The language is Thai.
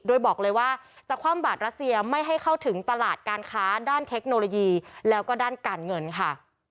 โดยบอกเลยว่าจะคว่ำบาดรัสเซียไม่ให้เข้าถึงตลาดการค้าด้านเทคโนโลยีแล้วก็ด้านการเงินค่ะ